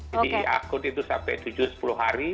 jadi akut itu sampai tujuh sepuluh hari